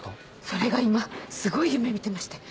それが今すごい夢見てまして。